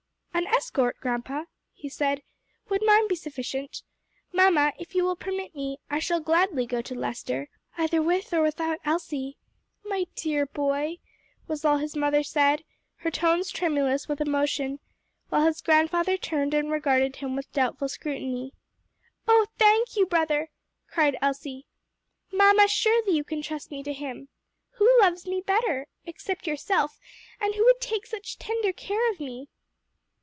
"An escort, grandpa?" he said. "Would mine be sufficient? Mamma, if you will permit me, I shall gladly go to Lester, either with or without Elsie." "My dear boy!" was all his mother said, her tones tremulous with emotion, while his grandfather turned and regarded him with doubtful scrutiny. "Oh, thank you, brother!" cried Elsie. "Mamma, surely you can trust me to him! Who loves me better? except yourself and who would take such tender care of me?"